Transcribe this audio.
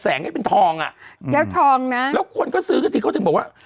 ให้เป็นทองอ่ะแล้วทองนะแล้วคนก็ซื้อกันทีเขาถึงบอกว่า